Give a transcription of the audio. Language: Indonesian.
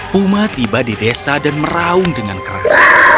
puma tiba di desa dan meraung dengan keras